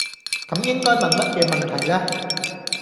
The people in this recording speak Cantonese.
咁應該問乜嘢問題呢?